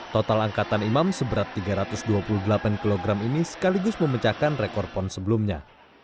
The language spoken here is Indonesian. total angkatan imam seberat tiga ratus dua puluh delapan kg ini sekaligus memecahkan rekor pon sebelumnya